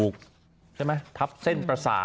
ขอบคุณครับ